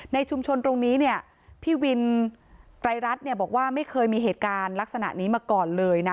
ในชุมชนตรงนี้เนี่ยพี่วินไกรรัฐเนี่ยบอกว่าไม่เคยมีเหตุการณ์ลักษณะนี้มาก่อนเลยนะ